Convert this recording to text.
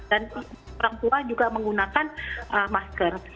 dan orang tua juga menggunakan masker